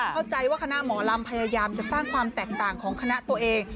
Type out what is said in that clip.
เข้าใจว่าคณะหมอลำพยายามจะสร้างความแตกต่างของคณะตัวเอง